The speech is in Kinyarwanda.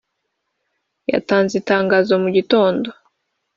katanze itangazo mu gitondo